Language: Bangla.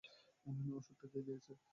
ওষুধটা কে দিয়েছে?